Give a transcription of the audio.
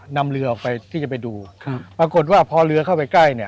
นำเรือออกไปที่จะไปดูครับปรากฏว่าพอเรือเข้าไปใกล้เนี่ย